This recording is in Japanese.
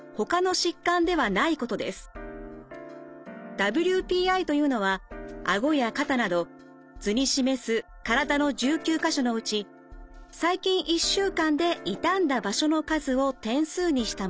ＷＰＩというのは顎や肩など図に示す体の１９か所のうち最近１週間で痛んだ場所の数を点数にしたものです。